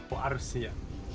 wah harus sih ya